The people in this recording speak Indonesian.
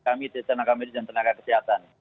kami tenaga medis dan tenaga kesehatan